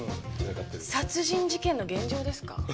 殺人事件の現場ですか？